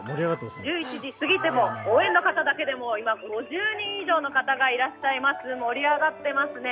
１１時すぎても応援の方、今、５０人以上の方がいらっしゃいます、盛り上がっていますね。